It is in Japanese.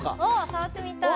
触ってみたい！